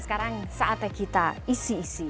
sekarang saatnya kita isi isi